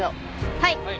はい。